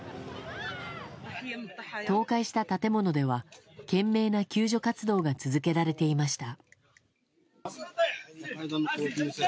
倒壊した建物では懸命な救助活動が続けられていました。